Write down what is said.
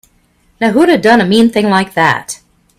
Now who'da done a mean thing like that?